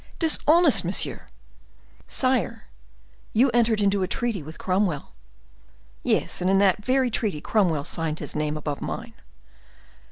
"Dishonest, monsieur!" "Sire, you entered into a treaty with Cromwell." "Yes, and in that very treaty Cromwell signed his name above mine."